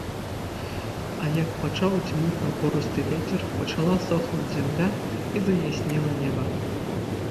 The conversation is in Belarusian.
А як пачаў дзьмуць напорысты вецер, пачала сохнуць зямля і заяснела неба.